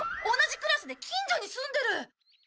同じクラスで近所に住んでる。